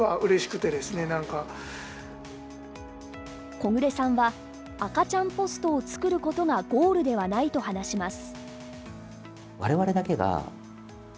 小暮さんは赤ちゃんポストを作ることがゴールではないと話します。